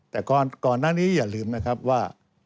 แต่ก่อนหน้านี้อย่าลืมนะครับว่า